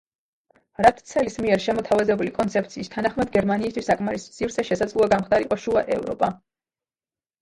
რატცელის მიერ შემოთავაზებული კონცეფციის თანახმად, გერმანიისათვის საკმარისი სივრცე შესაძლოა გამხდარიყო შუა ევროპა.